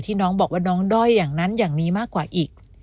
น้องบอกว่าน้องด้อยอย่างนั้นอย่างนี้มากกว่าอีก